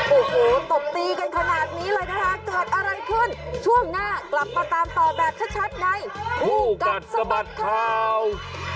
โอ้โหตบตีกันขนาดนี้เลยนะคะเกิดอะไรขึ้นช่วงหน้ากลับมาตามต่อแบบชัดในคู่กัดสะบัดข่าว